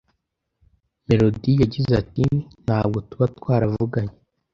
Melody yagize ati Ntabwo tuba twaravuganye,